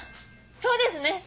そうですね！